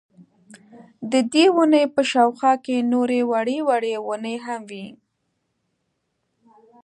ددې وني په شاوخوا کي نوري وړې وړې وني هم وې